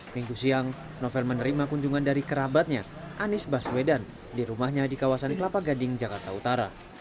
minggu siang novel menerima kunjungan dari kerabatnya anies baswedan di rumahnya di kawasan kelapa gading jakarta utara